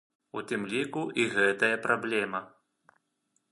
У тым ліку і гэтая праблема.